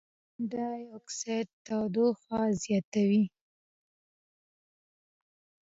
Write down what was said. د کاربن ډای اکسایډ تودوخه زیاتوي.